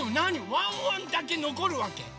ワンワンだけのこるわけ？